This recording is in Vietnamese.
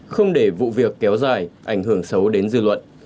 không để vụ việc kéo dài ảnh hưởng xấu đến dư luận